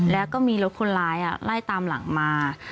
แล้วก็มีรถคนร้ายไล่ตามหลังมา